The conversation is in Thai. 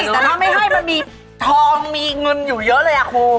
แต่ถ้าไม่ให้มันมีทองมีเงินอยู่เยอะเลยครู